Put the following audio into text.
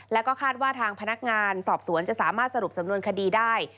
แล้วก็คาดว่าทางพนักงานสอบสวนจะสามารถสรุปสำนวนคดีได้